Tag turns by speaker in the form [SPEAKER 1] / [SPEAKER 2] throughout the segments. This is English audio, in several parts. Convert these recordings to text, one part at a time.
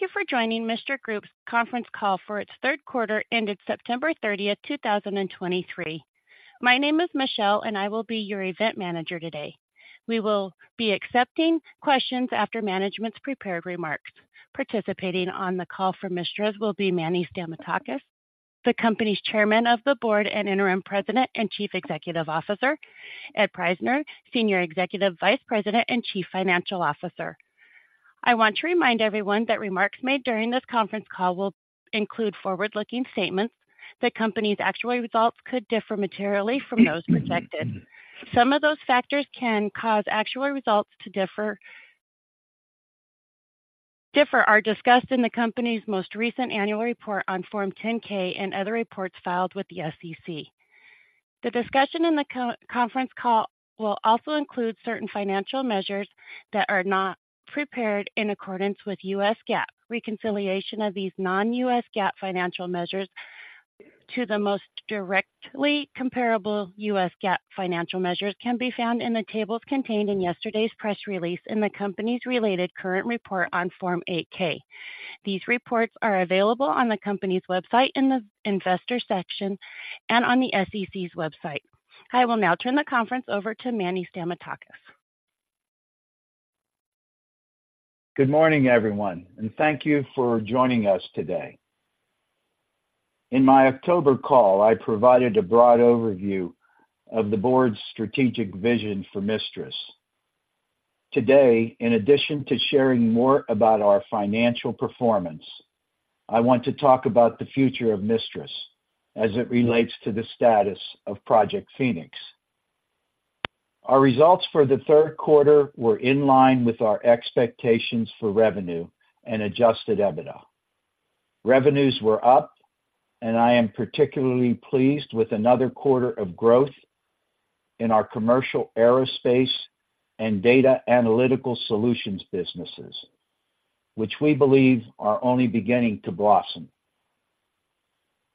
[SPEAKER 1] Thank you for joining MISTRAS Group's conference call for its third quarter, ended September 30, 2023. My name is Michelle, and I will be your event manager today. We will be accepting questions after management's prepared remarks. Participating on the call for MISTRAS will be Manny Stamatakis, the company's Chairman of the Board and Interim President and Chief Executive Officer, Ed Prajzner, Senior Executive Vice President and Chief Financial Officer. I want to remind everyone that remarks made during this conference call will include forward-looking statements. The company's actual results could differ materially from those predicted. Some of those factors can cause actual results to differ, are discussed in the company's most recent annual report on Form 10-K and other reports filed with the SEC. The discussion in the conference call will also include certain financial measures that are not prepared in accordance with U.S. GAAP. Reconciliation of these non-U.S. GAAP financial measures to the most directly comparable U.S. GAAP financial measures can be found in the tables contained in yesterday's press release in the company's related current report on Form 8-K. These reports are available on the company's website, in the investor section, and on the SEC's website. I will now turn the conference over to Manny Stamatakis.
[SPEAKER 2] Good morning, everyone, and thank you for joining us today. In my October call, I provided a broad overview of the board's strategic vision for MISTRAS. Today, in addition to sharing more about our financial performance, I want to talk about the future of MISTRAS as it relates to the status of Project Phoenix. Our results for the third quarter were in line with our expectations for revenue and Adjusted EBITDA. Revenues were up, and I am particularly pleased with another quarter of growth in our commercial aerospace and data analytical solutions businesses, which we believe are only beginning to blossom.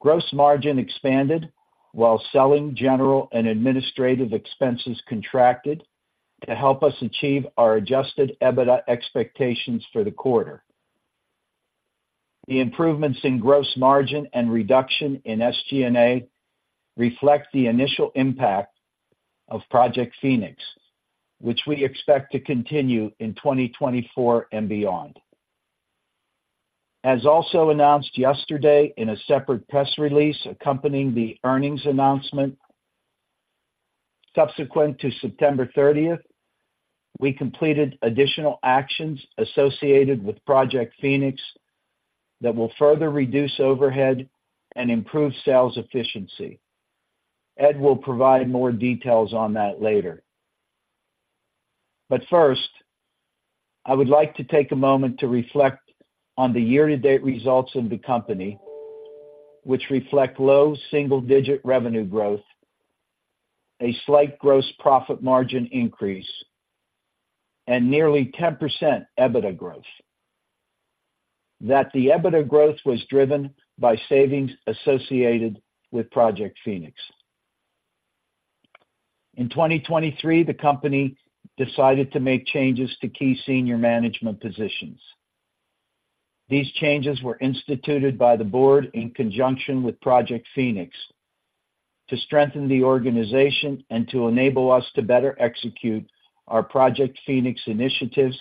[SPEAKER 2] Gross margin expanded while selling, general, and administrative expenses contracted to help us achieve our Adjusted EBITDA expectations for the quarter. The improvements in gross margin and reduction in SG&A reflect the initial impact of Project Phoenix, which we expect to continue in 2024 and beyond. As also announced yesterday in a separate press release accompanying the earnings announcement, subsequent to September 30, we completed additional actions associated with Project Phoenix that will further reduce overhead and improve sales efficiency. Ed will provide more details on that later. But first, I would like to take a moment to reflect on the year-to-date results of the company, which reflect low single-digit revenue growth, a slight gross profit margin increase, and nearly 10% EBITDA growth. That the EBITDA growth was driven by savings associated with Project Phoenix. In 2023, the company decided to make changes to key senior management positions. These changes were instituted by the board in conjunction with Project Phoenix to strengthen the organization and to enable us to better execute our Project Phoenix initiatives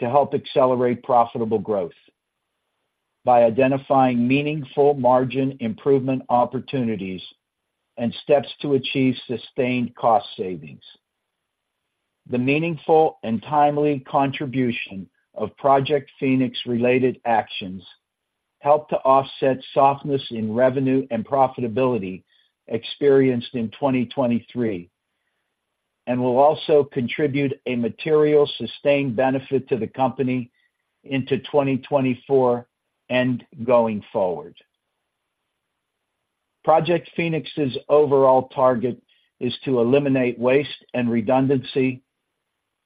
[SPEAKER 2] to help accelerate profitable growth by identifying meaningful margin improvement opportunities and steps to achieve sustained cost savings. The meaningful and timely contribution of Project Phoenix-related actions helped to offset softness in revenue and profitability experienced in 2023, and will also contribute a material sustained benefit to the company into 2024 and going forward. Project Phoenix's overall target is to eliminate waste and redundancy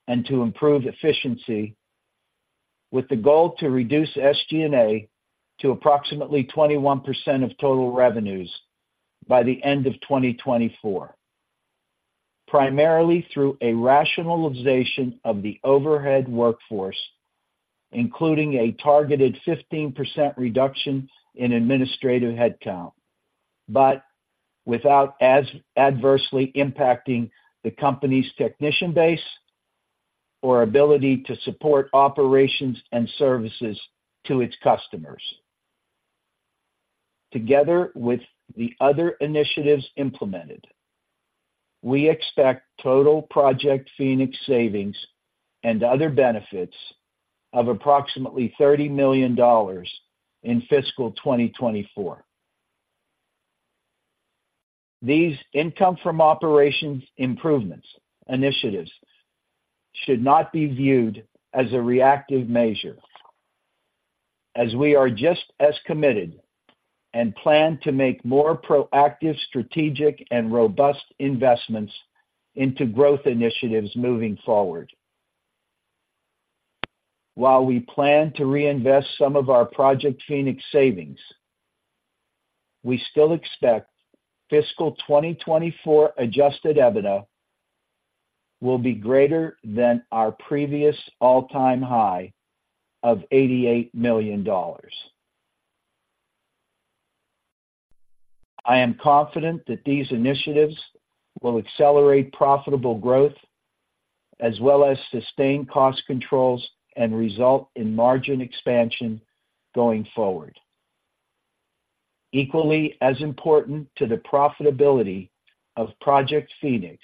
[SPEAKER 2] and to improve efficiency, with the goal to reduce SG&A to approximately 21% of total revenues by the end of 2024, primarily through a rationalization of the overhead workforce, including a targeted 15% reduction in administrative headcount, but without adversely impacting the company's technician base or ability to support operations and services to its customers. Together with the other initiatives implemented, we expect total Project Phoenix savings and other benefits of approximately $30 million in fiscal 2024. These income from operations improvements initiatives should not be viewed as a reactive measure, as we are just as committed and plan to make more proactive, strategic, and robust investments into growth initiatives moving forward. While we plan to reinvest some of our Project Phoenix savings, we still expect fiscal 2024 Adjusted EBITDA will be greater than our previous all-time high of $88 million. I am confident that these initiatives will accelerate profitable growth, as well as sustain cost controls and result in margin expansion going forward. Equally as important to the profitability of Project Phoenix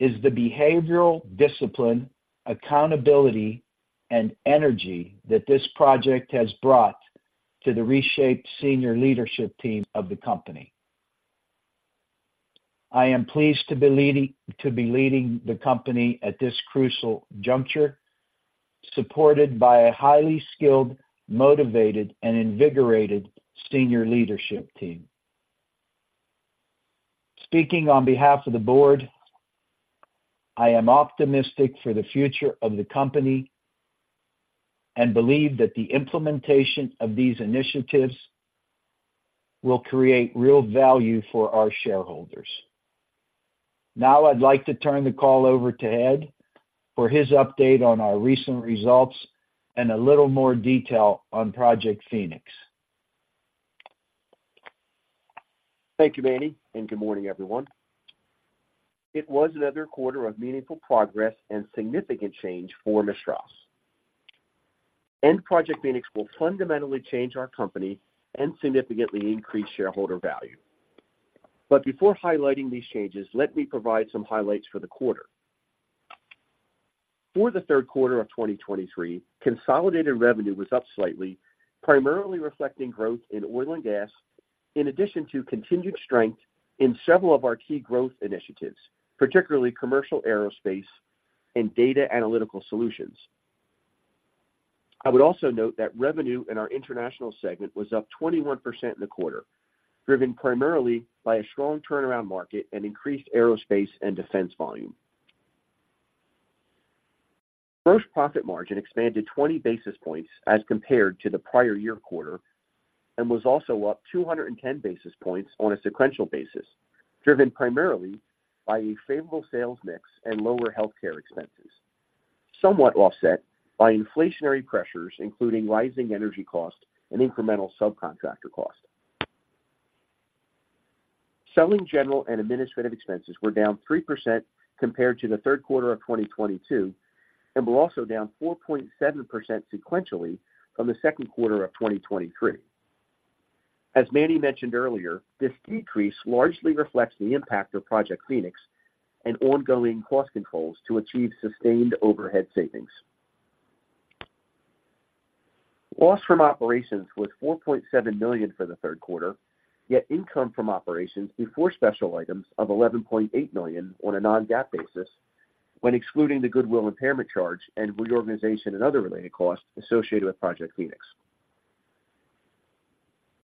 [SPEAKER 2] is the behavioral discipline, accountability, and energy that this project has brought to the reshaped senior leadership team of the company. I am pleased to be leading the company at this crucial juncture, supported by a highly skilled, motivated, and invigorated senior leadership team. Speaking on behalf of the board, I am optimistic for the future of the company and believe that the implementation of these initiatives will create real value for our shareholders. Now I'd like to turn the call over to Ed for his update on our recent results and a little more detail on Project Phoenix.
[SPEAKER 3] Thank you, Manny, and good morning, everyone. It was another quarter of meaningful progress and significant change for MISTRAS, and Project Phoenix will fundamentally change our company and significantly increase shareholder value. But before highlighting these changes, let me provide some highlights for the quarter. For the third quarter of 2023, consolidated revenue was up slightly, primarily reflecting growth in oil and gas, in addition to continued strength in several of our key growth initiatives, particularly commercial aerospace and data analytical solutions. I would also note that revenue in our international segment was up 21% in the quarter, driven primarily by a strong turnaround market and increased aerospace and defense volume. Gross profit margin expanded 20 basis points as compared to the prior year quarter and was also up 210 basis points on a sequential basis, driven primarily by a favorable sales mix and lower healthcare expenses, somewhat offset by inflationary pressures, including rising energy costs and incremental subcontractor costs. Selling, general and administrative expenses were down 3% compared to the third quarter of 2022, and were also down 4.7% sequentially from the second quarter of 2023. As Manny mentioned earlier, this decrease largely reflects the impact of Project Phoenix and ongoing cost controls to achieve sustained overhead savings. Loss from operations was $4.7 million for the third quarter, yet income from operations before special items of $11.8 million on a non-GAAP basis when excluding the goodwill impairment charge and reorganization and other related costs associated with Project Phoenix.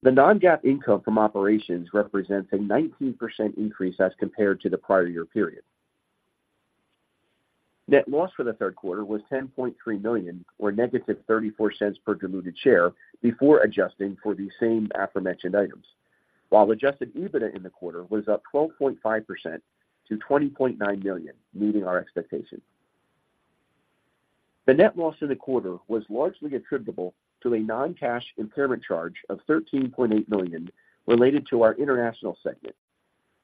[SPEAKER 3] The non-GAAP income from operations represents a 19% increase as compared to the prior year period. Net loss for the third quarter was $10.3 million, or -$0.34 per diluted share, before adjusting for the same aforementioned items. While adjusted EBITDA in the quarter was up 12.5% to $20.9 million, meeting our expectations. The net loss in the quarter was largely attributable to a non-cash impairment charge of $13.8 million related to our international segment,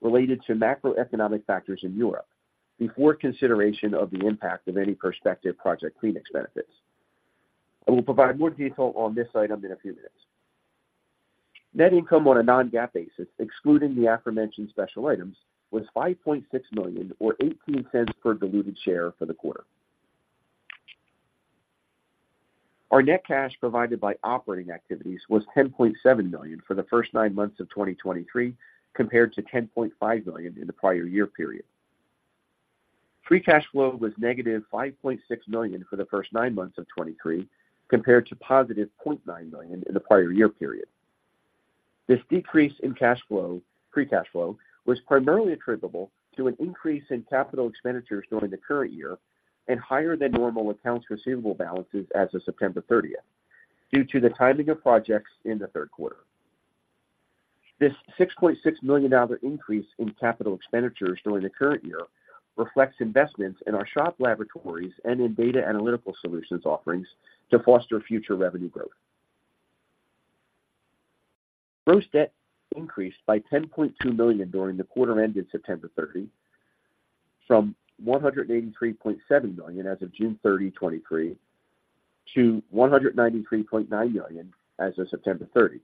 [SPEAKER 3] related to macroeconomic factors in Europe before consideration of the impact of any prospective Project Phoenix benefits. I will provide more detail on this item in a few minutes. Net income on a non-GAAP basis, excluding the aforementioned special items, was $5.6 million, or $0.18 per diluted share for the quarter. Our net cash provided by operating activities was $10.7 million for the first nine months of 2023, compared to $10.5 million in the prior year period. Free cash flow was -$5.6 million for the first nine months of 2023, compared to $0.9 million in the prior year period. This decrease in cash flow, free cash flow, was primarily attributable to an increase in capital expenditures during the current year and higher than normal accounts receivable balances as of September 30, due to the timing of projects in the third quarter. This $6.6 million increase in capital expenditures during the current year reflects investments in our shop laboratories and in data analytical solutions offerings to foster future revenue growth. Gross debt increased by $10.2 million during the quarter ended September 30, from $183.7 million as of June 30, 2023, to $193.9 million as of September 30,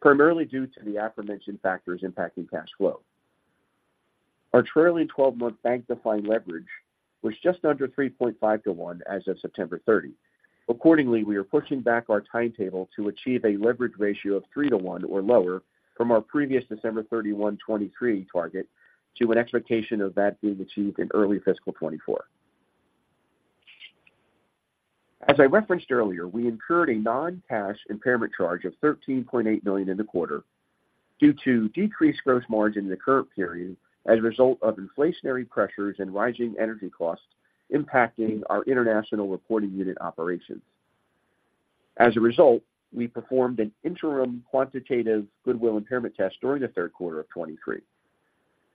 [SPEAKER 3] primarily due to the aforementioned factors impacting cash flow. Our trailing twelve-month bank-defined leverage was just under 3.5-to-1 as of September 30. Accordingly, we are pushing back our timetable to achieve a leverage ratio of 3-to-1 or lower from our previous December 31, 2023 target to an expectation of that being achieved in early fiscal 2024. As I referenced earlier, we incurred a non-cash impairment charge of $13.8 million in the quarter, due to decreased gross margin in the current period as a result of inflationary pressures and rising energy costs impacting our international reporting unit operations. As a result, we performed an interim quantitative goodwill impairment test during the third quarter of 2023.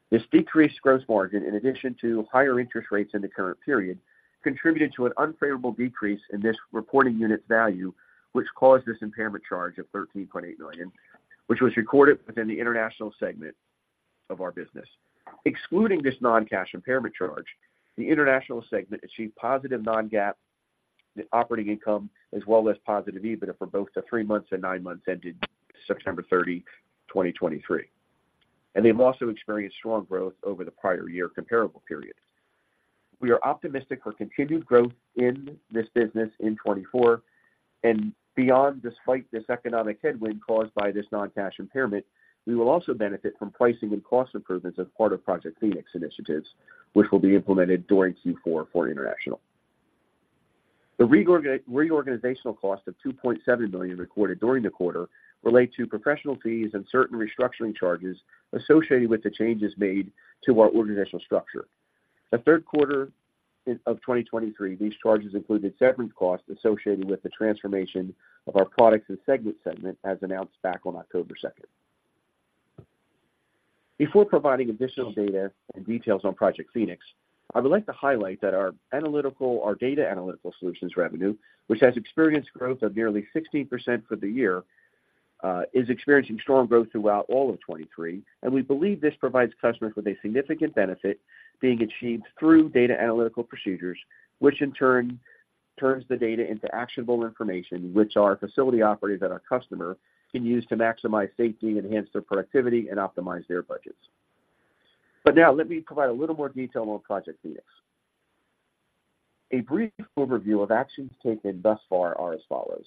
[SPEAKER 3] This decreased gross margin, in addition to higher interest rates in the current period, contributed to an unfavorable decrease in this reporting unit's value, which caused this impairment charge of $13.8 million, which was recorded within the international segment of our business. Excluding this non-cash impairment charge, the international segment achieved positive non-GAAP operating income, as well as positive EBITDA for both the three months and nine months ended September 30, 2023, and they've also experienced strong growth over the prior year comparable periods. We are optimistic for continued growth in this business in 2024 and beyond. Despite this economic headwind caused by this non-cash impairment, we will also benefit from pricing and cost improvements as part of Project Phoenix initiatives, which will be implemented during Q4 for international. The reorganizational cost of $2.7 billion recorded during the quarter relate to professional fees and certain restructuring charges associated with the changes made to our organizational structure. In the third quarter of 2023, these charges included severance costs associated with the transformation of our products and segment, as announced back on October 2. Before providing additional data and details on Project Phoenix, I would like to highlight that our data analytical solutions revenue, which has experienced growth of nearly 16% for the year, is experiencing strong growth throughout all of 2023, and we believe this provides customers with a significant benefit being achieved through data analytical procedures, which in turn, turns the data into actionable information, which our facility operator that our customer can use to maximize safety, enhance their productivity, and optimize their budgets. But now let me provide a little more detail on Project Phoenix. A brief overview of actions taken thus far are as follows: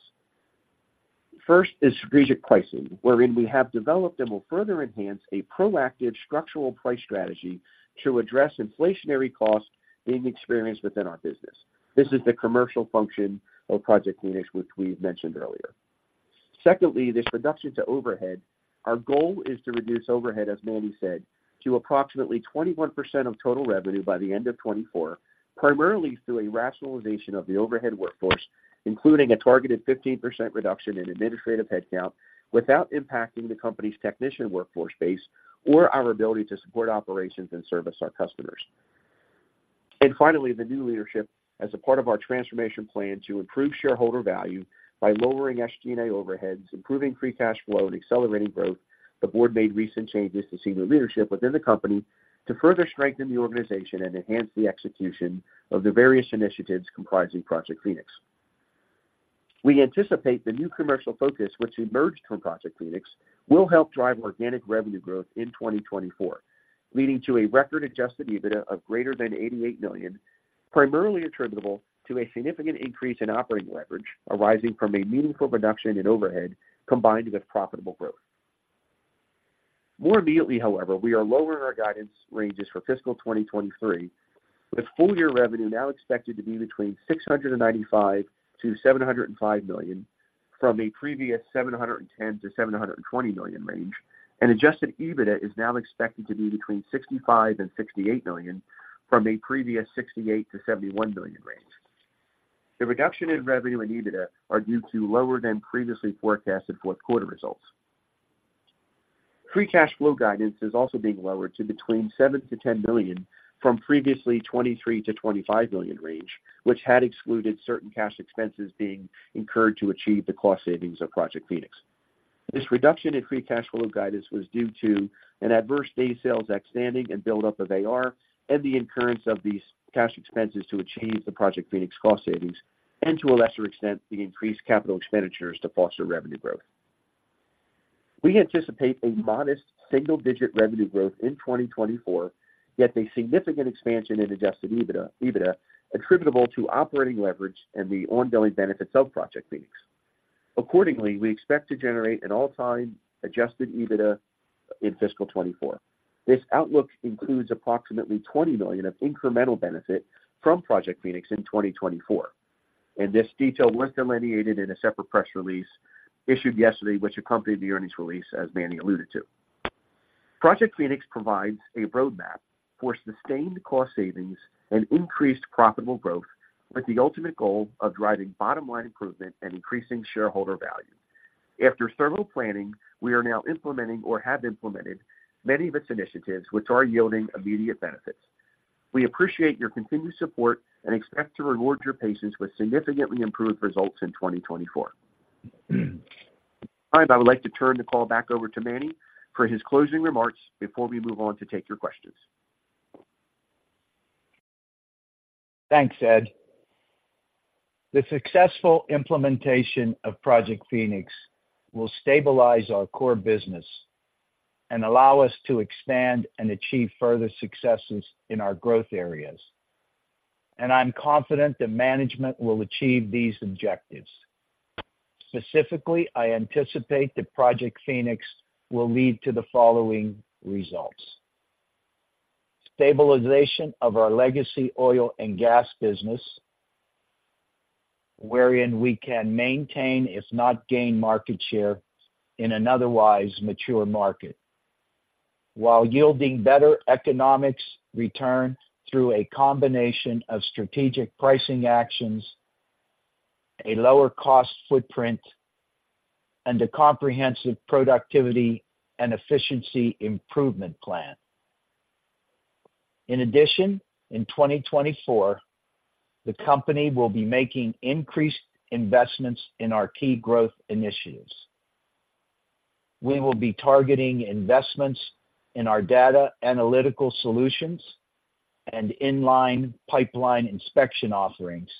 [SPEAKER 3] First is strategic pricing, wherein we have developed and will further enhance a proactive structural price strategy to address inflationary costs being experienced within our business. This is the commercial function of Project Phoenix, which we've mentioned earlier. Secondly, this reduction to overhead. Our goal is to reduce overhead, as Manny said, to approximately 21% of total revenue by the end of 2024, primarily through a rationalization of the overhead workforce, including a targeted 15% reduction in administrative headcount, without impacting the company's technician workforce base or our ability to support operations and service our customers. Finally, the new leadership as a part of our transformation plan to improve shareholder value by lowering SG&A overheads, improving free cash flow, and accelerating growth. The board made recent changes to senior leadership within the company to further strengthen the organization and enhance the execution of the various initiatives comprising Project Phoenix. We anticipate the new commercial focus, which emerged from Project Phoenix, will help drive organic revenue growth in 2024, leading to a record adjusted EBITDA of greater than $88 million, primarily attributable to a significant increase in operating leverage arising from a meaningful reduction in overhead combined with profitable growth. More immediately, however, we are lowering our guidance ranges for fiscal 2023, with full year revenue now expected to be between $695-$705 million, from a previous $710-$720 million range. And adjusted EBITDA is now expected to be between $65-$68 million from a previous $68-$71 million range. The reduction in revenue and EBITDA are due to lower than previously forecasted fourth quarter results. Free cash flow guidance is also being lowered to between $7 million-$10 million, from previously $23 million-$25 million range, which had excluded certain cash expenses being incurred to achieve the cost savings of Project Phoenix. This reduction in free cash flow guidance was due to an adverse day sales outstanding and buildup of AR, and the incurrence of these cash expenses to achieve the Project Phoenix cost savings, and to a lesser extent, the increased capital expenditures to foster revenue growth. We anticipate a modest single-digit revenue growth in 2024, yet a significant expansion in adjusted EBITDA, EBITDA attributable to operating leverage and the ongoing benefits of Project Phoenix. Accordingly, we expect to generate an all-time adjusted EBITDA in fiscal 2024. This outlook includes approximately $20 million of incremental benefit from Project Phoenix in 2024, and this detail was delineated in a separate press release issued yesterday, which accompanied the earnings release, as Manny alluded to. Project Phoenix provides a roadmap for sustained cost savings and increased profitable growth, with the ultimate goal of driving bottom line improvement and increasing shareholder value. After thorough planning, we are now implementing or have implemented many of its initiatives, which are yielding immediate benefits. We appreciate your continued support and expect to reward your patience with significantly improved results in 2024. All right. I would like to turn the call back over to Manny for his closing remarks before we move on to take your questions.
[SPEAKER 2] Thanks, Ed. The successful implementation of Project Phoenix will stabilize our core business and allow us to expand and achieve further successes in our growth areas, and I'm confident that management will achieve these objectives. Specifically, I anticipate that Project Phoenix will lead to the following results: Stabilization of our legacy oil and gas business... wherein we can maintain, if not gain, market share in an otherwise mature market, while yielding better economics return through a combination of strategic pricing actions, a lower cost footprint, and a comprehensive productivity and efficiency improvement plan. In addition, in 2024, the company will be making increased investments in our key growth initiatives. We will be targeting investments in our data analytical solutions and in-line pipeline inspection offerings,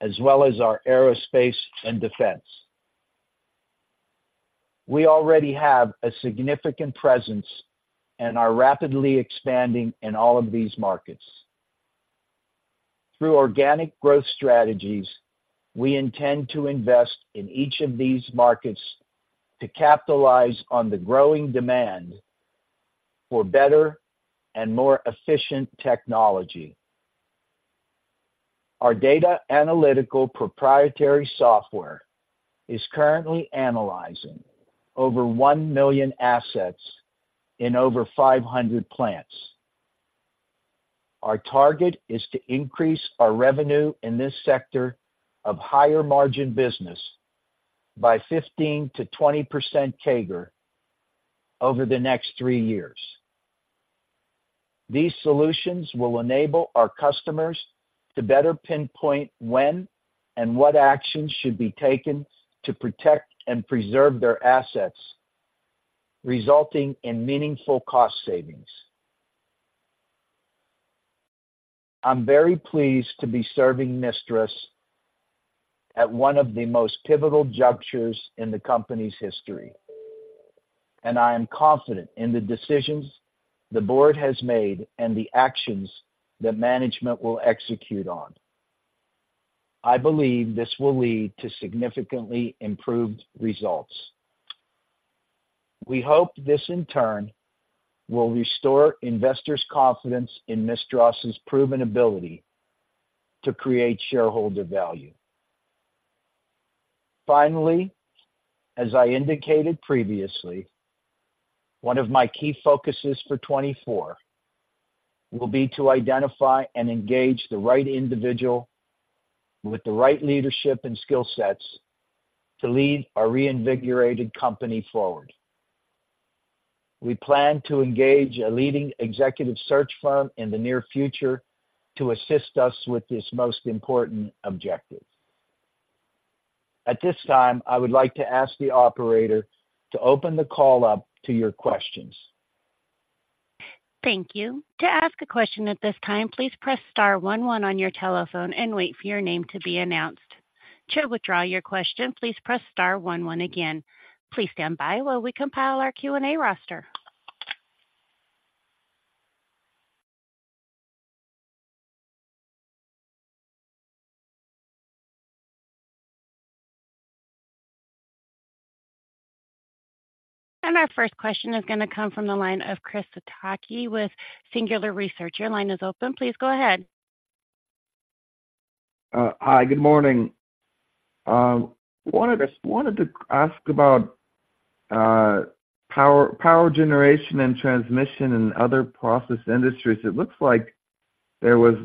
[SPEAKER 2] as well as our aerospace and defense. We already have a significant presence and are rapidly expanding in all of these markets. Through organic growth strategies, we intend to invest in each of these markets to capitalize on the growing demand for better and more efficient technology. Our data analytical proprietary software is currently analyzing over 1 million assets in over 500 plants. Our target is to increase our revenue in this sector of higher margin business by 15%-20% CAGR over the next 3 years. These solutions will enable our customers to better pinpoint when and what actions should be taken to protect and preserve their assets, resulting in meaningful cost savings. I'm very pleased to be serving MISTRAS at one of the most pivotal junctures in the company's history, and I am confident in the decisions the board has made and the actions that management will execute on. I believe this will lead to significantly improved results. We hope this, in turn, will restore investors' confidence in MISTRAS's proven ability to create shareholder value. Finally, as I indicated previously, one of my key focuses for 2024 will be to identify and engage the right individual with the right leadership and skill sets to lead our reinvigorated company forward. We plan to engage a leading executive search firm in the near future to assist us with this most important objective. At this time, I would like to ask the operator to open the call up to your questions.
[SPEAKER 1] Thank you. To ask a question at this time, please press star one, one on your telephone and wait for your name to be announced. To withdraw your question, please press star one, one again. Please stand by while we compile our Q&A roster. Our first question is going to come from the line of Chris Sakai with Singular Research. Your line is open. Please go ahead.
[SPEAKER 4] Hi, good morning. Wanted to ask about power generation and transmission and other process industries. It looks like there was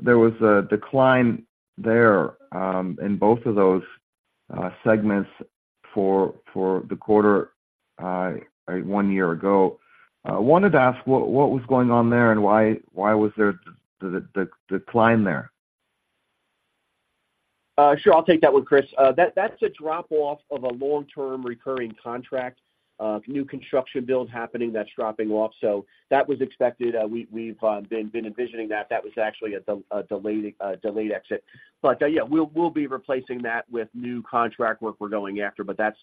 [SPEAKER 4] a decline there in both of those segments for the quarter one year ago. Wanted to ask, what was going on there, and why was there the decline there?
[SPEAKER 3] Sure. I'll take that one, Chris. That's a drop-off of a long-term recurring contract, new construction build happening that's dropping off. So that was expected. We've been envisioning that. That was actually a delayed exit. But yeah, we'll be replacing that with new contract work we're going after. But that's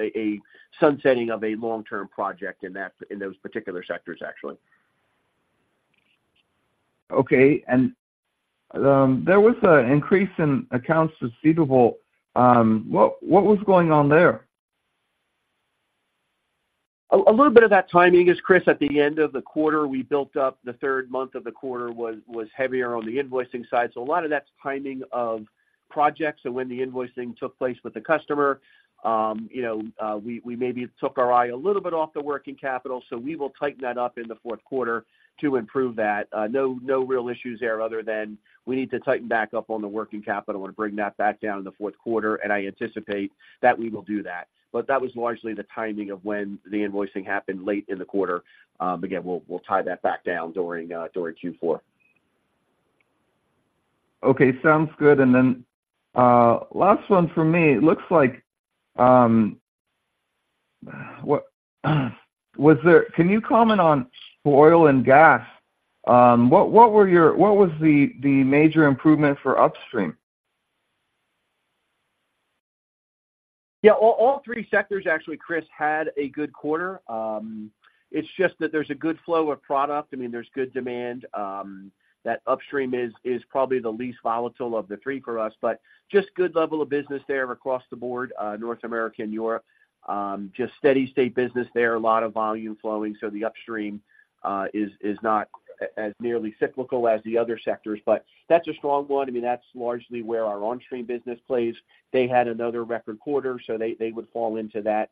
[SPEAKER 3] a sunsetting of a long-term project in those particular sectors, actually.
[SPEAKER 4] Okay. There was an increase in accounts receivable. What was going on there?
[SPEAKER 3] A little bit of that timing is, Chris, at the end of the quarter. The third month of the quarter was heavier on the invoicing side. So a lot of that's timing of projects and when the invoicing took place with the customer. You know, we maybe took our eye a little bit off the working capital, so we will tighten that up in the fourth quarter to improve that. No real issues there other than we need to tighten back up on the working capital and bring that back down in the fourth quarter, and I anticipate that we will do that. But that was largely the timing of when the invoicing happened late in the quarter. Again, we'll tie that back down during Q4.
[SPEAKER 4] Okay, sounds good. And then, last one for me. It looks like, what was there, can you comment on oil and gas? What was the major improvement for upstream?
[SPEAKER 3] Yeah, all, all three sectors actually, Chris, had a good quarter. It's just that there's a good flow of product. I mean, there's good demand. That upstream is, is probably the least volatile of the three for us, but just good level of business there across the board, North America and Europe. Just steady state business there, a lot of volume flowing. So the upstream, is, is not as nearly cyclical as the other sectors, but that's a strong one. I mean, that's largely where our Onstream business plays. They had another record quarter, so they, they would fall into that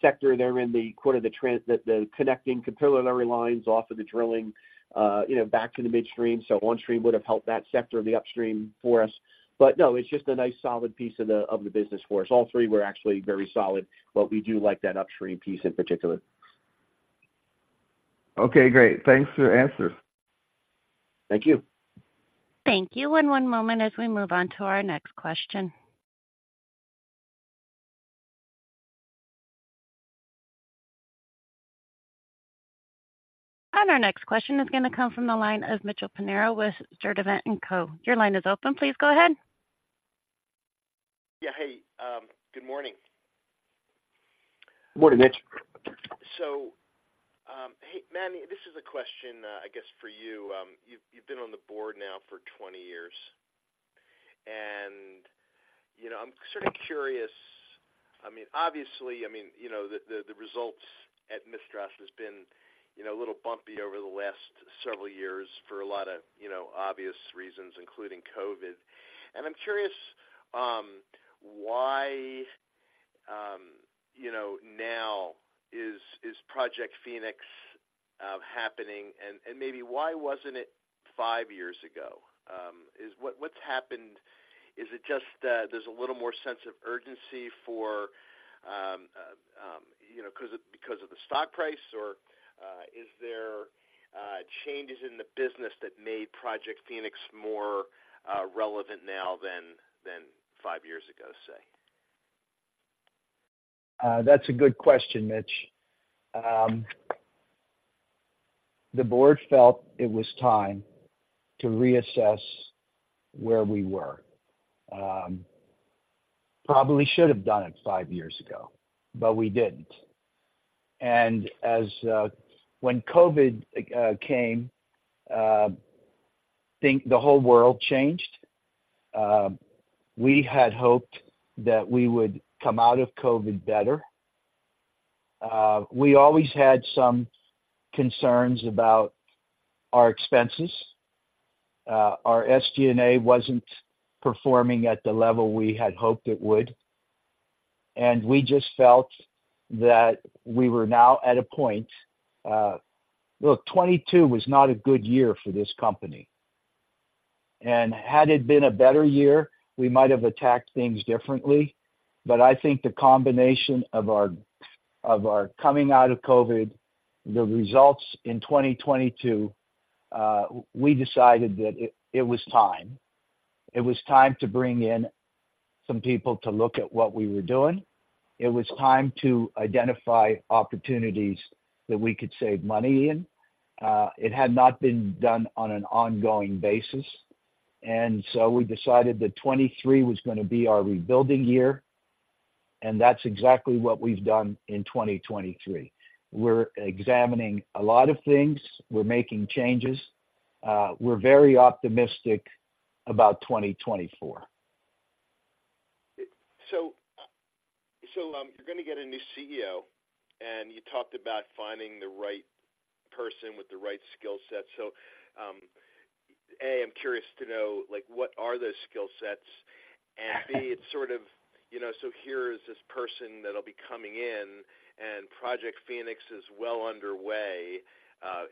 [SPEAKER 3] sector. They're in the quarter, the trend, the, the connecting capillary lines off of the drilling, you know, back to the midstream. So Onstream would have helped that sector of the upstream for us. But no, it's just a nice, solid piece of the business for us. All three were actually very solid, but we do like that upstream piece in particular.
[SPEAKER 2] Okay, great. Thanks for the answers.
[SPEAKER 3] Thank you.
[SPEAKER 1] Thank you. One moment as we move on to our next question. Our next question is going to come from the line of Mitchell Pinheiro with Sturdivant & Co. Your line is open. Please go ahead.
[SPEAKER 5] Yeah, hey, good morning.
[SPEAKER 3] Morning, Mitch.
[SPEAKER 5] So, hey, Manny, this is a question, I guess for you. You've been on the board now for 20 years, and, you know, I'm sort of curious. I mean, obviously, I mean, you know, the results at MISTRAS has been, you know, a little bumpy over the last several years for a lot of, you know, obvious reasons, including COVID. And I'm curious, why, you know, now is Project Phoenix happening? And maybe why wasn't it five years ago? Is what, what's happened? Is it just that there's a little more sense of urgency for, you know, because of the stock price, or, is there changes in the business that made Project Phoenix more relevant now than five years ago, say?
[SPEAKER 2] That's a good question, Mitch. The board felt it was time to reassess where we were. Probably should have done it five years ago, but we didn't. And as when COVID came, I think the whole world changed. We had hoped that we would come out of COVID better. We always had some concerns about our expenses. Our SG&A wasn't performing at the level we had hoped it would, and we just felt that we were now at a point... Look, 2022 was not a good year for this company, and had it been a better year, we might have attacked things differently. But I think the combination of our, of our coming out of COVID, the results in 2022, we decided that it, it was time. It was time to bring in some people to look at what we were doing. It was time to identify opportunities that we could save money in. It had not been done on an ongoing basis, and so we decided that 2023 was going to be our rebuilding year, and that's exactly what we've done in 2023. We're examining a lot of things. We're making changes. We're very optimistic about 2024.
[SPEAKER 5] So, you're going to get a new CEO, and you talked about finding the right person with the right skill set. So, A, I'm curious to know, like, what are those skill sets? And B, it's sort of, you know, so here is this person that'll be coming in, and Project Phoenix is well underway.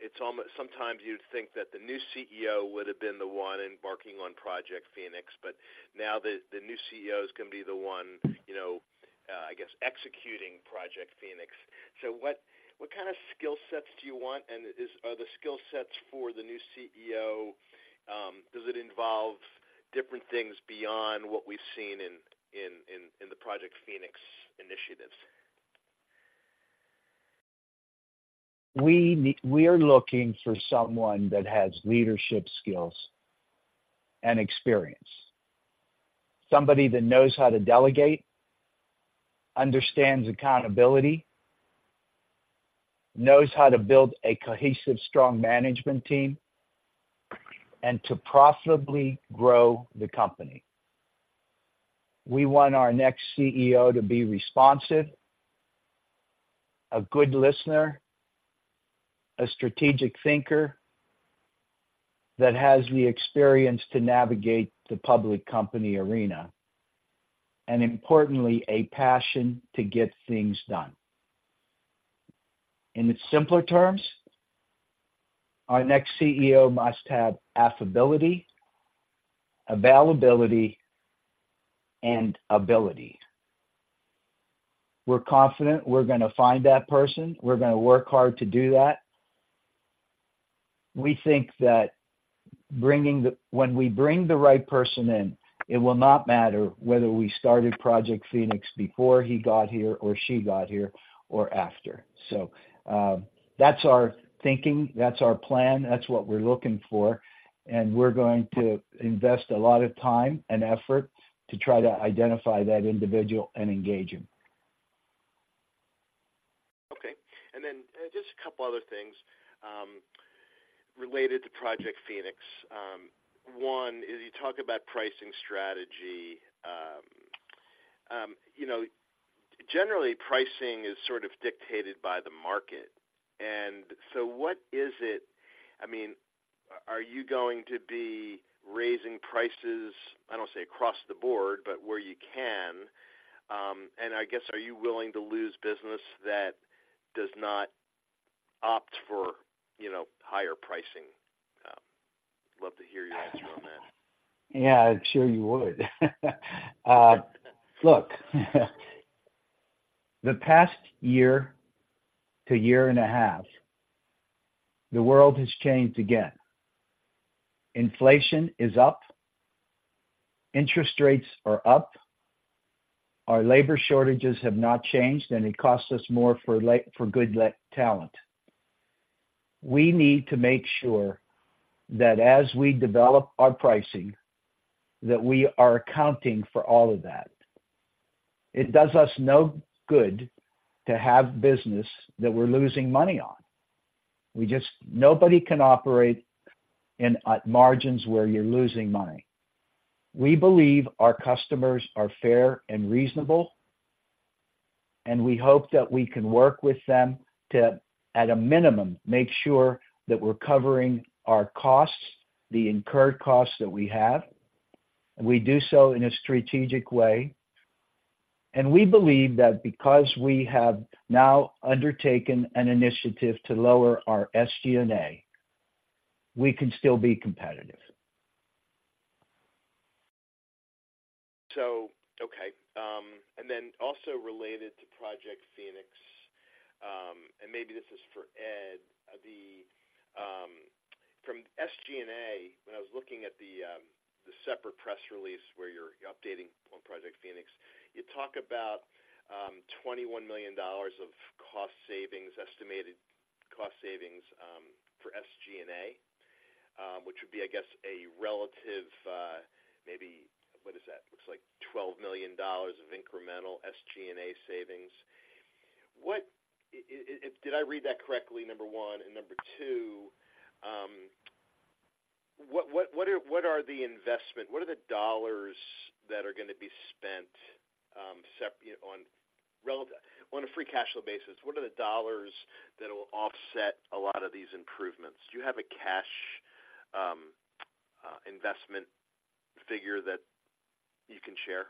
[SPEAKER 5] It's almost, sometimes you'd think that the new CEO would have been the one embarking on Project Phoenix, but now the, the new CEO is going to be the one, you know, I guess, executing Project Phoenix. So what, what kind of skill sets do you want, and is, are the skill sets for the new CEO, does it involve different things beyond what we've seen in the Project Phoenix initiatives?
[SPEAKER 2] We are looking for someone that has leadership skills and experience. Somebody that knows how to delegate, understands accountability, knows how to build a cohesive, strong management team, and to profitably grow the company. We want our next CEO to be responsive, a good listener, a strategic thinker that has the experience to navigate the public company arena, and importantly, a passion to get things done. In simpler terms, our next CEO must have affability, availability, and ability. We're confident we're gonna find that person. We're gonna work hard to do that. We think that when we bring the right person in, it will not matter whether we started Project Phoenix before he got here, or she got here, or after. So, that's our thinking, that's our plan, that's what we're looking for, and we're going to invest a lot of time and effort to try to identify that individual and engage him.
[SPEAKER 5] Couple other things related to Project Phoenix. One, is you talk about pricing strategy. You know, generally pricing is sort of dictated by the market. And so what is it - I mean, are you going to be raising prices, I don't want to say across the board, but where you can? And I guess, are you willing to lose business that does not opt for, you know, higher pricing? Love to hear your answer on that.
[SPEAKER 2] Yeah, I'm sure you would. Look, the past year to year and a half, the world has changed again. Inflation is up, interest rates are up, our labor shortages have not changed, and it costs us more for labor, for good talent. We need to make sure that as we develop our pricing, that we are accounting for all of that. It does us no good to have business that we're losing money on. We just... Nobody can operate at margins where you're losing money. We believe our customers are fair and reasonable, and we hope that we can work with them to, at a minimum, make sure that we're covering our costs, the incurred costs that we have, and we do so in a strategic way. And we believe that because we have now undertaken an initiative to lower our SG&A, we can still be competitive.
[SPEAKER 5] So, okay. And then also related to Project Phoenix, and maybe this is for Ed. From SG&A, when I was looking at the separate press release where you're updating on Project Phoenix, you talk about $21 million of cost savings, estimated cost savings, for SG&A, which would be, I guess, a relative, maybe, what is that? Looks like $12 million of incremental SG&A savings. What if I read that correctly, number one? And number two, what are the dollars that are going to be spent, you know, on a free cash flow basis, what are the dollars that will offset a lot of these improvements? Do you have a cash investment figure that you can share?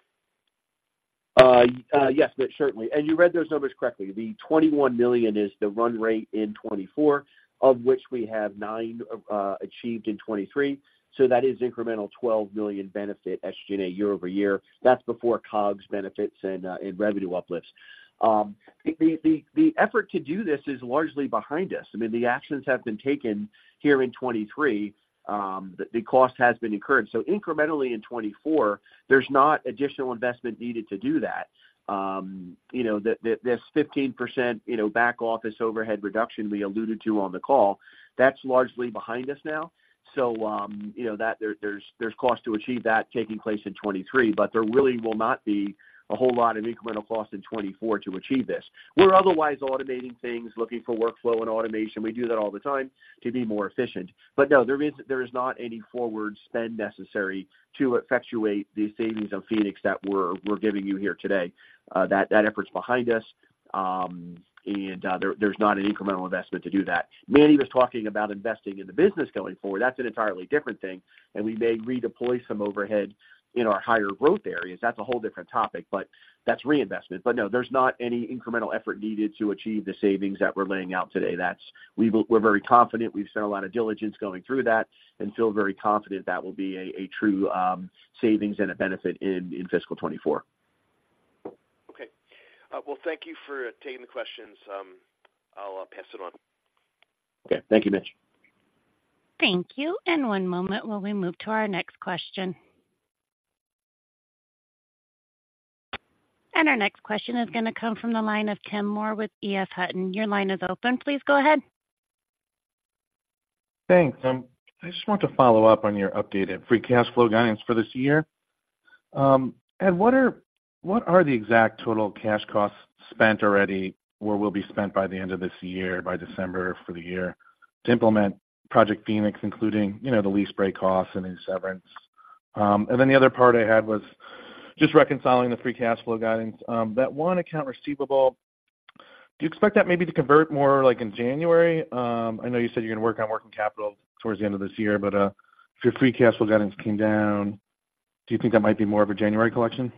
[SPEAKER 3] Yes, Mitch, certainly. You read those numbers correctly. The $21 million is the run rate in 2024, of which we have $9 million achieved in 2023. So that is incremental $12 million benefit SG&A year-over-year. That's before COGS benefits and revenue uplifts. The effort to do this is largely behind us. I mean, the actions have been taken here in 2023, the cost has been incurred. So incrementally in 2024, there's not additional investment needed to do that. You know, this 15%, you know, back office overhead reduction we alluded to on the call, that's largely behind us now. So, you know, there are costs to achieve that taking place in 2023, but there really will not be a whole lot of incremental cost in 2024 to achieve this. We're otherwise automating things, looking for workflow and automation. We do that all the time to be more efficient. But no, there is, there is not any forward spend necessary to effectuate the savings on Phoenix that we're, we're giving you here today. That effort's behind us. And there's not an incremental investment to do that. Manny was talking about investing in the business going forward. That's an entirely different thing, and we may redeploy some overhead in our higher growth areas. That's a whole different topic, but that's reinvestment. But no, there's not any incremental effort needed to achieve the savings that we're laying out today. That's. We're very confident. We've spent a lot of diligence going through that and feel very confident that will be a, a true, savings and a benefit in, in fiscal 2024.
[SPEAKER 5] Okay. Well, thank you for taking the questions. I'll pass it on.
[SPEAKER 3] Okay. Thank you, Mitch.
[SPEAKER 1] Thank you. One moment while we move to our next question. Our next question is going to come from the line of Tim Moore with EF Hutton. Your line is open. Please go ahead.
[SPEAKER 6] Thanks. I just want to follow up on your updated Free Cash Flow guidance for this year. And what are, what are the exact total cash costs spent already, or will be spent by the end of this year, by December, for the year, to implement Project Phoenix, including, you know, the lease break costs and any severance? And then the other part I had was just reconciling the Free Cash Flow guidance. That one account receivable, do you expect that maybe to convert more like in January? I know you said you're going to work on working capital towards the end of this year, but, if your Free Cash Flow guidance came down, do you think that might be more of a January collection?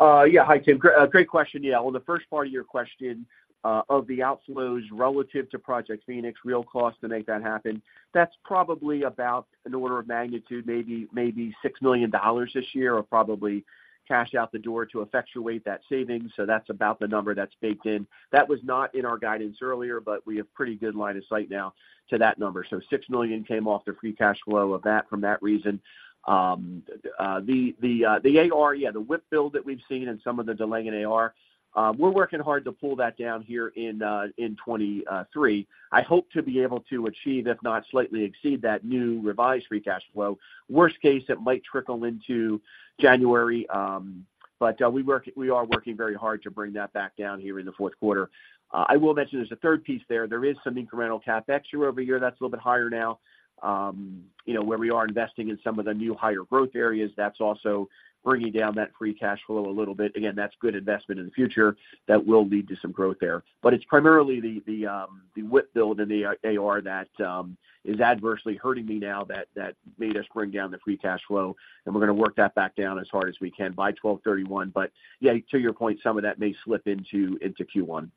[SPEAKER 3] Yeah. Hi, Tim. Great question. Yeah, well, the first part of your question, of the outflows relative to Project Phoenix, real cost to make that happen, that's probably about an order of magnitude, maybe, maybe $6 million this year, or probably cash out the door to effectuate that savings. So that's about the number that's baked in. That was not in our guidance earlier, but we have pretty good line of sight now to that number. So $6 million came off the free cash flow of that from that reason. The AR, yeah, the WIP build that we've seen and some of the delay in AR, we're working hard to pull that down here in, in 2023. I hope to be able to achieve, if not slightly exceed, that new revised free cash flow. Worst case, it might trickle into January. But we are working very hard to bring that back down here in the fourth quarter. I will mention there's a third piece there. There is some incremental CapEx year-over-year that's a little bit higher now, you know, where we are investing in some of the new higher growth areas. That's also bringing down that free cash flow a little bit. Again, that's good investment in the future that will lead to some growth there. But it's primarily the WIP build in the AR that is adversely hurting me now, that made us bring down the free cash flow, and we're gonna work that back down as hard as we can by 12/31. But yeah, to your point, some of that may slip into Q1.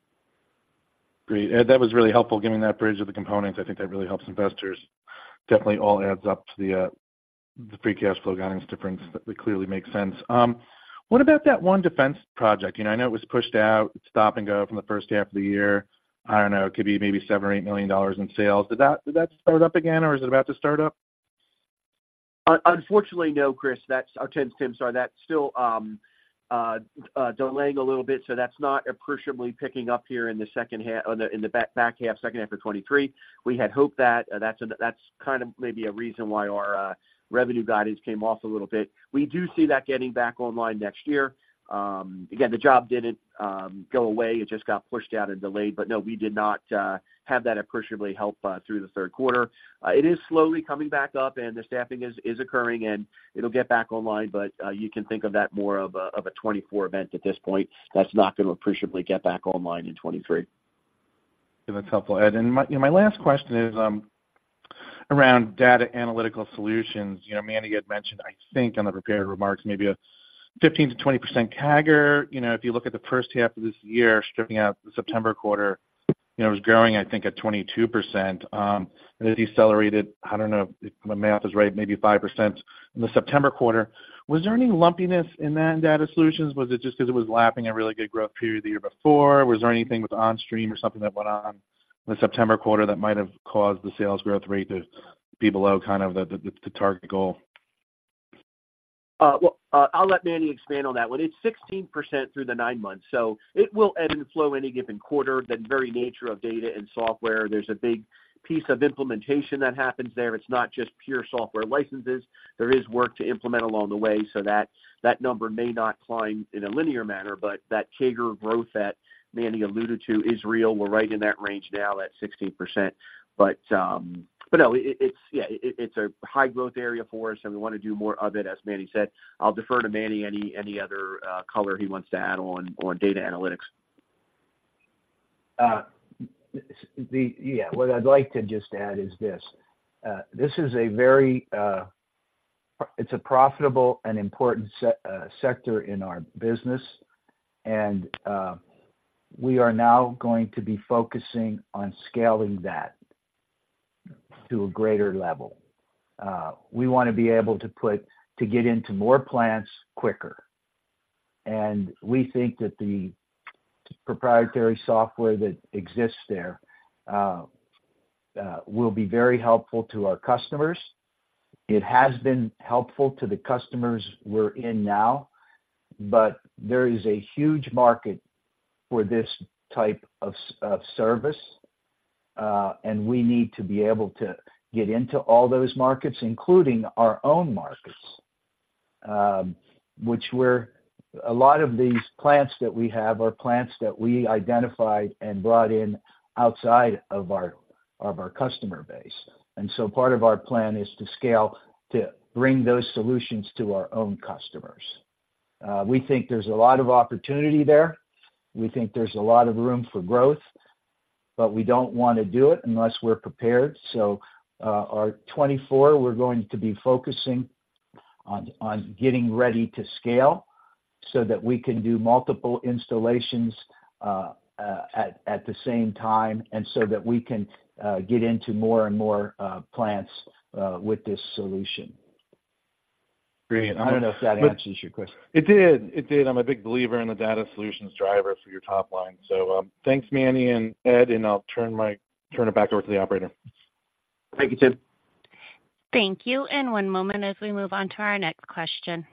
[SPEAKER 6] Great. Ed, that was really helpful, giving that bridge of the components. I think that really helps investors. Definitely all adds up to the the free cash flow guidance difference. That clearly makes sense. What about that one defense project? You know, I know it was pushed out, stop and go from the first half of the year. I don't know, it could be maybe $7-$8 million in sales. Did that, did that start up again, or is it about to start up?
[SPEAKER 3] Unfortunately, no, Chris, that's... Tim, Tim, sorry, that's still delaying a little bit, so that's not appreciably picking up here in the second half of 2023. We had hoped that. That's kind of maybe a reason why our revenue guidance came off a little bit. We do see that getting back online next year. Again, the job didn't go away. It just got pushed out and delayed. But no, we did not have that appreciably help through the third quarter. It is slowly coming back up, and the staffing is occurring, and it'll get back online, but you can think of that more of a 2024 event at this point. That's not gonna appreciably get back online in 2023.
[SPEAKER 6] That's helpful, Ed. And my, you know, my last question is around data analytical solutions. You know, Manny had mentioned, I think, on the prepared remarks, maybe a 15%-20% CAGR. You know, if you look at the first half of this year, stripping out the September quarter, you know, it was growing, I think, at 22%, and it decelerated. I don't know if my math is right, maybe 5% in the September quarter. Was there any lumpiness in that data solutions, or was it just because it was lapping a really good growth period the year before? Was there anything with Onstream or something that went on in the September quarter that might have caused the sales growth rate to be below kind of the target goal?
[SPEAKER 3] Well, I'll let Manny expand on that one. It's 16% through the nine months, so it will ebb and flow in any given quarter. The very nature of data and software, there's a big piece of implementation that happens there. It's not just pure software licenses. There is work to implement along the way, so that number may not climb in a linear manner, but that CAGR growth that Manny alluded to is real. We're right in that range now, that 16%. But no, it's, yeah, it's a high growth area for us, and we want to do more of it, as Manny said. I'll defer to Manny for any other color he wants to add on data analytics.
[SPEAKER 2] Yeah, what I'd like to just add is this, this is a very, it's a profitable and important sector in our business, and we are now going to be focusing on scaling that to a greater level. We want to be able to to get into more plants quicker, and we think that the proprietary software that exists there, will be very helpful to our customers. It has been helpful to the customers we're in now, but there is a huge market for this type of of service, and we need to be able to get into all those markets, including our own markets. Which we're a lot of these plants that we have are plants that we identified and brought in outside of our, of our customer base. Part of our plan is to scale, to bring those solutions to our own customers. We think there's a lot of opportunity there. We think there's a lot of room for growth, but we don't want to do it unless we're prepared. So, our 2024, we're going to be focusing on getting ready to scale so that we can do multiple installations at the same time, and so that we can get into more and more plants with this solution.
[SPEAKER 6] Great.
[SPEAKER 2] I don't know if that answers your question.
[SPEAKER 6] It did, it did. I'm a big believer in the data solutions driver for your top line. So, thanks, Manny and Ed, and I'll turn it back over to the operator.
[SPEAKER 3] Thank you, Tim.
[SPEAKER 1] Thank you, and one moment as we move on to our next question.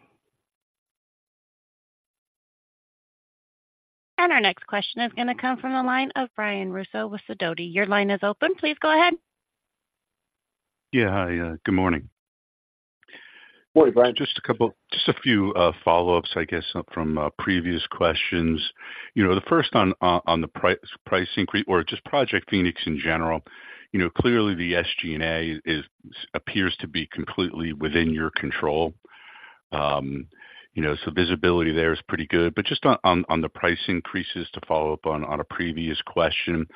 [SPEAKER 1] Our next question is gonna come from the line of Brian Russo with Sidoti. Your line is open. Please go ahead.
[SPEAKER 7] Yeah. Hi, good morning.
[SPEAKER 3] Morning, Brian.
[SPEAKER 7] Just a couple, just a few, follow-ups, I guess, from previous questions. You know, the first on the price increase or just Project Phoenix in general. You know, clearly the SG&A is, appears to be completely within your control. You know, so visibility there is pretty good. But just on the price increases, to follow up on a previous question,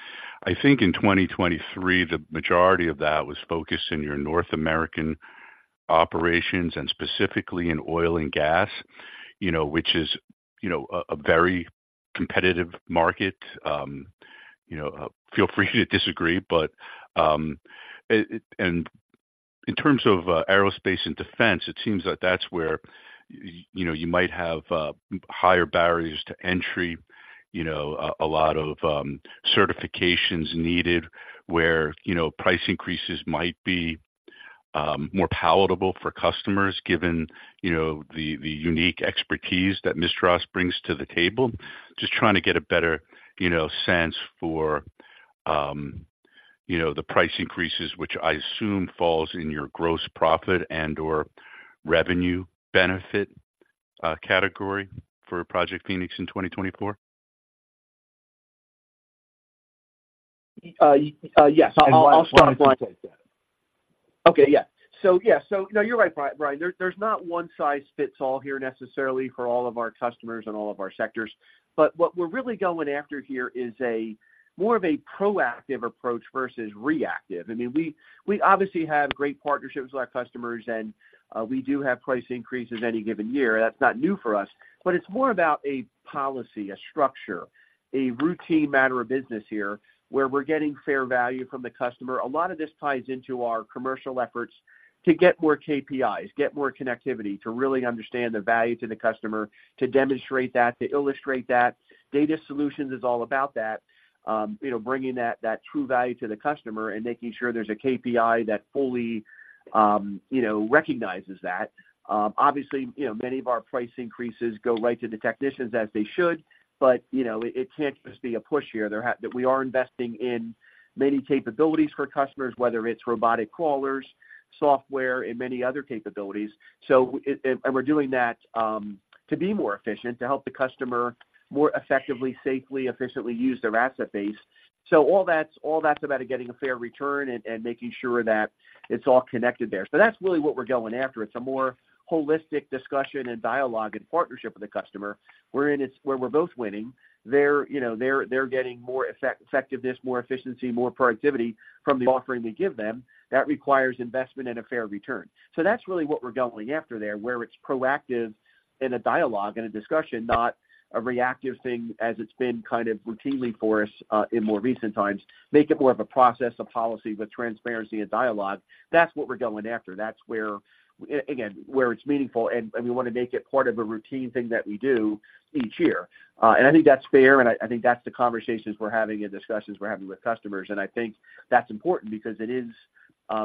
[SPEAKER 7] I think in 2023, the majority of that was focused in your North American operations and specifically in oil and gas, you know, which is, you know, a very competitive market. You know, feel free to disagree, but, it, it... And in terms of aerospace and defense, it seems like that's where, you know, you might have higher barriers to entry, you know, a lot of certifications needed, where, you know, price increases might be more palatable for customers, given, you know, the unique expertise that MISTRAS brings to the table. Just trying to get a better, you know, sense for you know, the price increases, which I assume falls in your gross profit and/or revenue benefit category for Project Phoenix in 2024?
[SPEAKER 3] Yes. I'll start-
[SPEAKER 7] Why is it like that?
[SPEAKER 3] Okay. Yeah. So, yeah, so no, you're right, Brian, there, there's not one size fits all here necessarily for all of our customers and all of our sectors. But what we're really going after here is more of a proactive approach versus reactive. I mean, we obviously have great partnerships with our customers, and we do have price increases any given year. That's not new for us, but it's more about a policy, a structure, a routine matter of business here, where we're getting fair value from the customer. A lot of this ties into our commercial efforts to get more KPIs, get more connectivity, to really understand the value to the customer, to demonstrate that, to illustrate that. Data solutions is all about that. You know, bringing that true value to the customer and making sure there's a KPI that fully, you know, recognizes that. Obviously, you know, many of our price increases go right to the technicians, as they should, but, you know, it can't just be a push here. We are investing in many capabilities for customers, whether it's robotic crawlers, software, and many other capabilities. So, and we're doing that to be more efficient, to help the customer more effectively, safely, efficiently use their asset base. So all that's about is getting a fair return and making sure that it's all connected there. So that's really what we're going after. It's a more holistic discussion and dialogue and partnership with the customer, wherein it's where we're both winning. They're, you know, getting more effectiveness, more efficiency, more productivity from the offering we give them. That requires investment and a fair return. So that's really what we're going after there, where it's proactive in a dialogue and a discussion, not a reactive thing as it's been kind of routinely for us in more recent times. Make it more of a process, a policy with transparency and dialogue. That's what we're going after. That's where, again, where it's meaningful, and we wanna make it part of a routine thing that we do each year. And I think that's fair, and I think that's the conversations we're having and discussions we're having with customers. And I think that's important because it is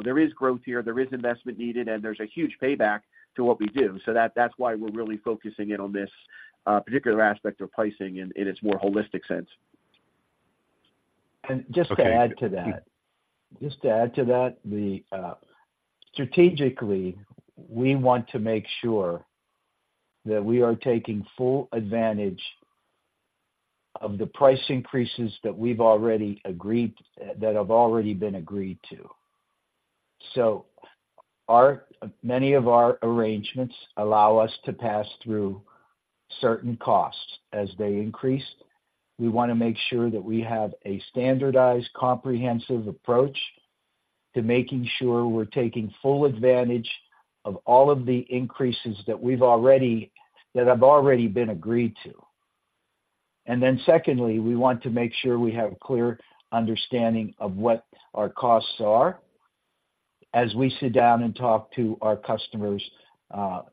[SPEAKER 3] there is growth here, there is investment needed, and there's a huge payback to what we do. So that's why we're really focusing in on this particular aspect of pricing in its more holistic sense.
[SPEAKER 7] Okay.
[SPEAKER 2] Just to add to that, strategically, we want to make sure that we are taking full advantage of the price increases that have already been agreed to. So, many of our arrangements allow us to pass through certain costs as they increase. We wanna make sure that we have a standardized, comprehensive approach to making sure we're taking full advantage of all of the increases that have already been agreed to. And then secondly, we want to make sure we have a clear understanding of what our costs are as we sit down and talk to our customers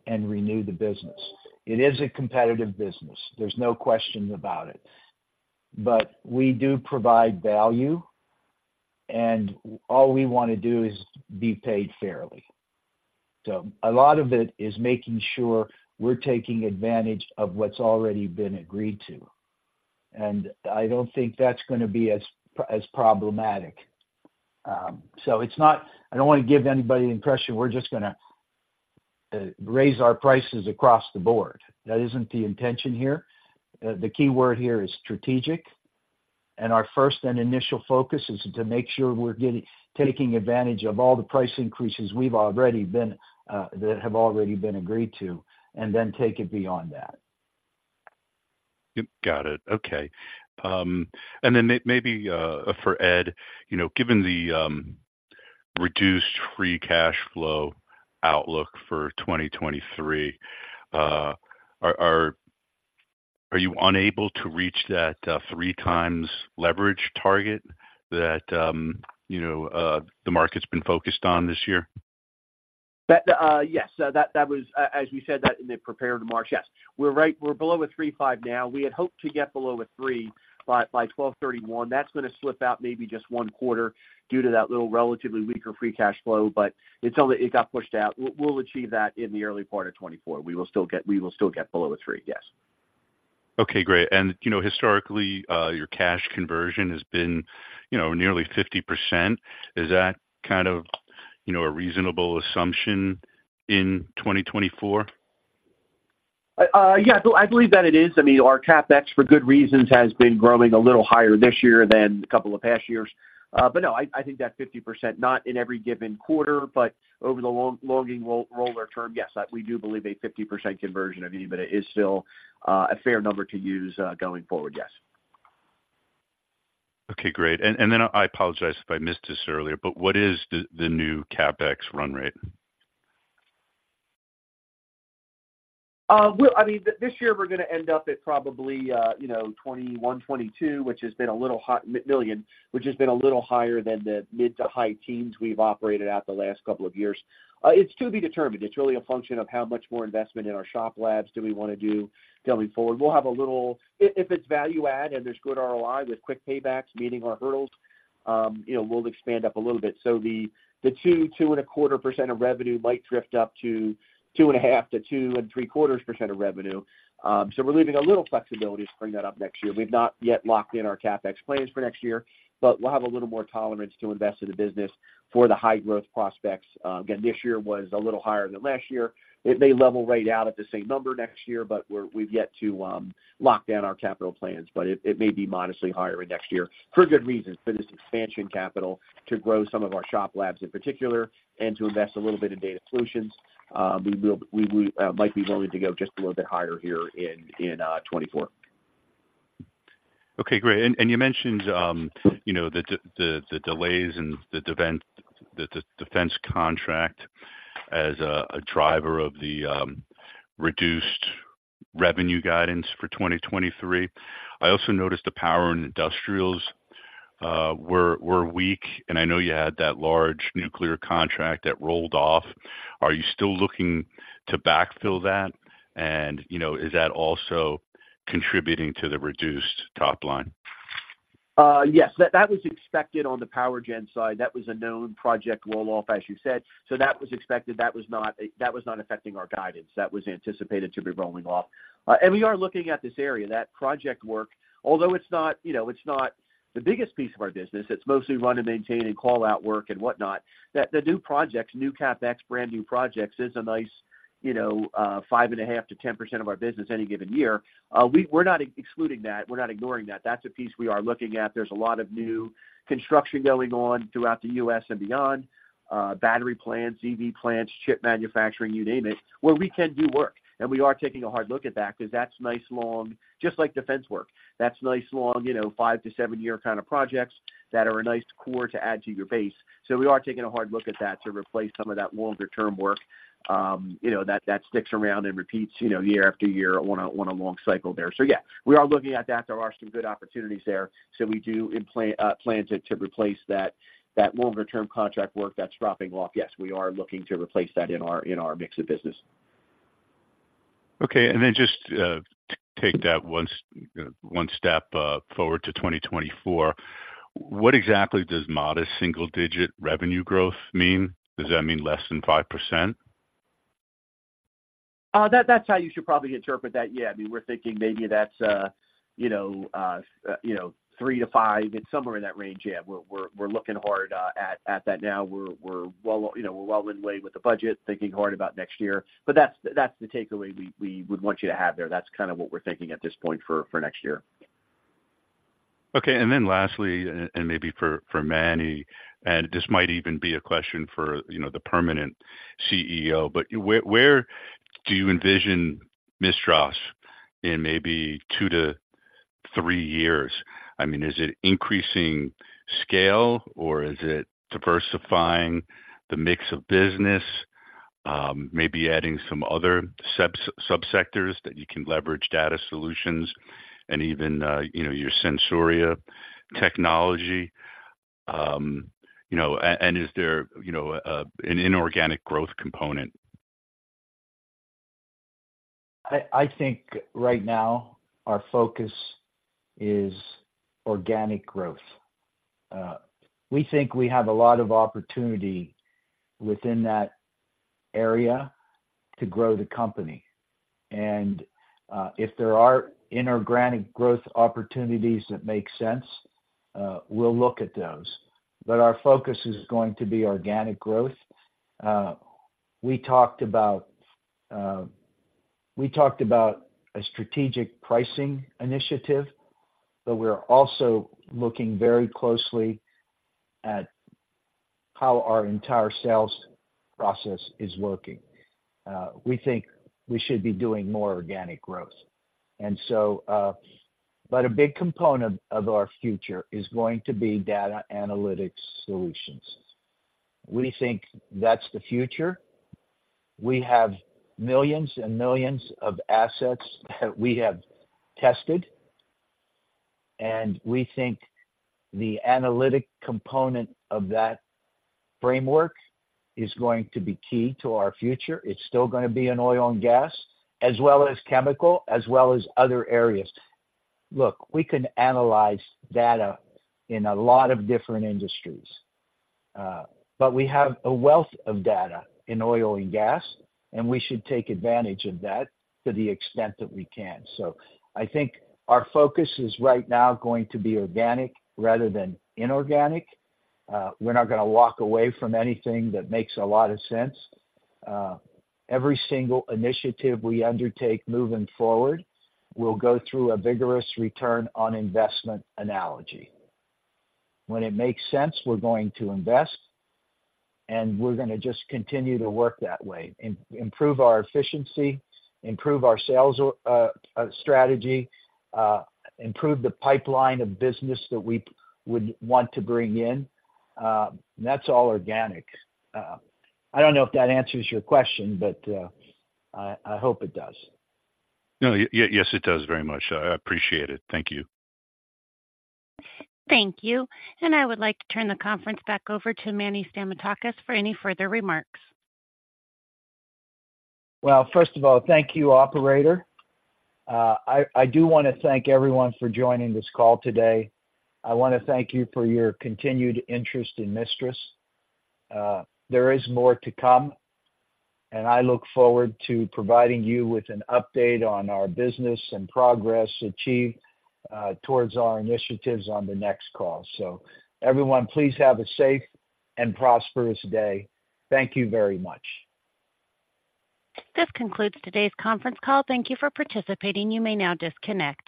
[SPEAKER 2] and renew the business. It is a competitive business. There's no question about it. But we do provide value, and all we wanna do is be paid fairly. So a lot of it is making sure we're taking advantage of what's already been agreed to, and I don't think that's gonna be as problematic. So I don't wanna give anybody the impression we're just gonna raise our prices across the board. That isn't the intention here. The key word here is strategic, and our first and initial focus is to make sure we're getting, taking advantage of all the price increases that have already been agreed to, and then take it beyond that.
[SPEAKER 7] Yep, got it. Okay. And then maybe for Ed, you know, given the reduced free cash flow outlook for 2023, are you unable to reach that 3x leverage target that you know the market's been focused on this year?
[SPEAKER 3] Yes, that was, as we said that in the prepared remarks, yes. We're right, we're below a 3.5 now. We had hoped to get below a 3 by 12/31. That's gonna slip out maybe just one quarter due to that little relatively weaker free cash flow, but it's only... It got pushed out. We'll achieve that in the early part of 2024. We will still get below a 3. Yes.
[SPEAKER 7] Okay, great. You know, historically, your cash conversion has been, you know, nearly 50%. Is that kind of, you know, a reasonable assumption in 2024?
[SPEAKER 3] Yeah, I believe that it is. I mean, our CapEx, for good reasons, has been growing a little higher this year than a couple of past years. But no, I think that 50%, not in every given quarter, but over the longer-term, yes, we do believe a 50% conversion of EBITDA is still a fair number to use going forward. Yes.
[SPEAKER 7] Okay, great. And then I apologize if I missed this earlier, but what is the new CapEx run rate?
[SPEAKER 3] I mean, this year we're gonna end up at probably, you know, $21 million-$22 million, which has been a little higher than the mid- to high-teens we've operated at the last couple of years. It's to be determined. It's really a function of how much more investment in our shop labs do we wanna do going forward. We'll have a little... If it's value add and there's good ROI with quick paybacks, meeting our hurdles, you know, we'll expand up a little bit. So the two, 2.25% of revenue might drift up to 2.5%-2.75% of revenue. So we're leaving a little flexibility to bring that up next year. We've not yet locked in our CapEx plans for next year, but we'll have a little more tolerance to invest in the business for the high growth prospects. Again, this year was a little higher than last year. It may level right out at the same number next year, but we've yet to lock down our capital plans. But it may be modestly higher next year, for good reasons, for this expansion capital to grow some of our shop labs in particular, and to invest a little bit in data solutions. We might be willing to go just a little bit higher here in 2024.
[SPEAKER 7] Okay, great. And you mentioned, you know, the delays in the defense contract as a driver of the reduced revenue guidance for 2023. I also noticed the power and industrials were weak, and I know you had that large nuclear contract that rolled off. Are you still looking to backfill that? And, you know, is that also contributing to the reduced top line?
[SPEAKER 3] Yes. That was expected on the power gen side. That was a known project roll-off, as you said. So that was expected. That was not affecting our guidance. That was anticipated to be rolling off. And we are looking at this area, that project work, although it's not, you know, it's not the biggest piece of our business, it's mostly run and maintain and call-out work and whatnot. That the new projects, new CapEx, brand new projects, is a nice, you know, 5.5%-10% of our business any given year. We're not excluding that. We're not ignoring that. That's a piece we are looking at. There's a lot of new construction going on throughout the U.S. and beyond. Battery plants, EV plants, chip manufacturing, you name it, where we can do work. We are taking a hard look at that, 'cause that's nice long. Just like defense work, that's nice long, you know, five-to-seven-year kind of projects that are a nice core to add to your base. We are taking a hard look at that to replace some of that longer-term work, you know, that sticks around and repeats, you know, year after year on a long cycle there. Yeah, we are looking at that. There are some good opportunities there. We do plan to replace that longer-term contract work that's dropping off. Yes, we are looking to replace that in our mix of business.
[SPEAKER 7] Okay, and then just take that one step forward to 2024. What exactly does modest single-digit revenue growth mean? Does that mean less than 5%?
[SPEAKER 3] That, that's how you should probably interpret that. Yeah. I mean, we're thinking maybe that's, you know, you know, 3-5. It's somewhere in that range. Yeah. We're, we're, we're looking hard, at, at that now. We're, we're well underway with the budget, thinking hard about next year. But that's, that's the takeaway we, we would want you to have there. That's kind of what we're thinking at this point for, for next year.
[SPEAKER 7] Okay. And then lastly, maybe for Manny, and this might even be a question for, you know, the permanent CEO, but where do you envision MISTRAS in maybe two to three years? I mean, is it increasing scale, or is it diversifying the mix of business? Maybe adding some other subsectors that you can leverage data solutions and even, you know, your Sensoria technology? You know, and is there, you know, an inorganic growth component?
[SPEAKER 2] I think right now our focus is organic growth. We think we have a lot of opportunity within that area to grow the company. And if there are inorganic growth opportunities that make sense, we'll look at those. But our focus is going to be organic growth. We talked about a strategic pricing initiative, but we're also looking very closely at how our entire sales process is working. We think we should be doing more organic growth. And so... But a big component of our future is going to be data analytics solutions. We think that's the future. We have millions and millions of assets that we have tested, and we think the analytic component of that framework is going to be key to our future. It's still gonna be in oil and gas, as well as chemical, as well as other areas. Look, we can analyze data in a lot of different industries, but we have a wealth of data in oil and gas, and we should take advantage of that to the extent that we can. So I think our focus is right now going to be organic rather than inorganic. We're not gonna walk away from anything that makes a lot of sense. Every single initiative we undertake moving forward will go through a vigorous return on investment analysis. When it makes sense, we're going to invest, and we're gonna just continue to work that way, improve our efficiency, improve our sales strategy, improve the pipeline of business that we would want to bring in. That's all organic. I don't know if that answers your question, but I hope it does.
[SPEAKER 7] No, yes, it does, very much. I appreciate it. Thank you.
[SPEAKER 3] Thank you. I would like to turn the conference back over to Manny Stamatakis for any further remarks.
[SPEAKER 2] Well, first of all, thank you, operator. I do want to thank everyone for joining this call today. I want to thank you for your continued interest in MISTRAS. There is more to come, and I look forward to providing you with an update on our business and progress achieved towards our initiatives on the next call. So everyone, please have a safe and prosperous day. Thank you very much.
[SPEAKER 3] This concludes today's conference call. Thank you for participating. You may now disconnect.